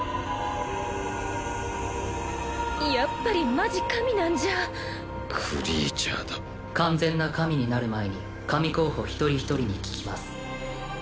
やっぱりマジ神なんじゃクリーチャーだ完全な神になる前に神候補一人一人に聞きます